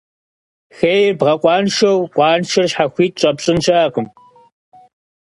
Хейр бгъэкъуаншэу, къуаншэр щхьэхуит щӀэпщӀын щыӀэкъым.